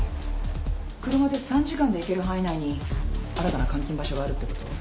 車で３時間で行ける範囲内に新たな監禁場所があるってこと。